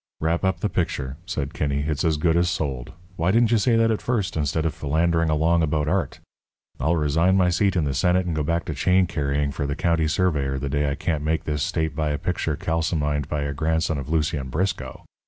"Wrap up the picture," said Kinney. "It's as good as sold. Why didn't you say that at first, instead of philandering along about art. I'll resign my seat in the Senate and go back to chain carrying for the county surveyor the day I can't make this state buy a picture calcimined by a grandson of Lucien Briscoe.